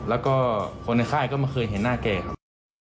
แล้วก็คนในค่ายก็ไม่เคยเห็นหน้าแกครับ